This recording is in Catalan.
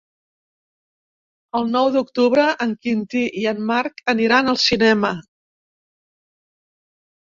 El nou d'octubre en Quintí i en Marc aniran al cinema.